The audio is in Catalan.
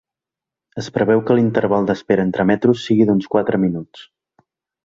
Es preveu que l’interval d’espera entre metros sigui d’uns quatre minuts.